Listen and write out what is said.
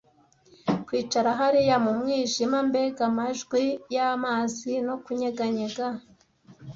kwicara hariya mu mwijima, mbega amajwi y'amazi no kunyeganyega